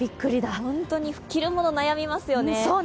着るもの悩みますよね。